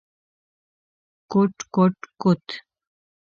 کوټ کوټ کوت…